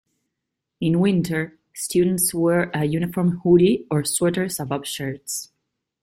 In winter students wear a uniform hoodie or sweaters above shirts.